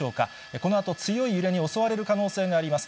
このあと強い揺れに襲われる可能性があります。